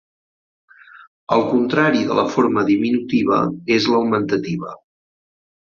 El contrari de la forma diminutiva és l'augmentativa.